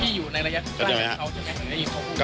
พี่อยู่ในระยะขึ้นข้างกับเขาใช่ไหม